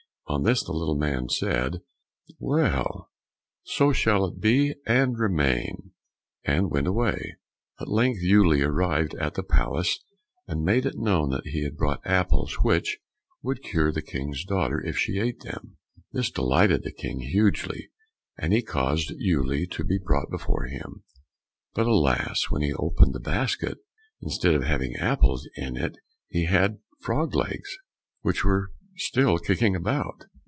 On this the little man said, "Well, so shall it be, and remain," and went away. At length Uele arrived at the palace, and made it known that he had brought apples which would cure the King's daughter if she ate them. This delighted the King hugely, and he caused Uele to be brought before him; but, alas! when he opened the basket, instead of having apples in it he had frogs' legs which were still kicking about.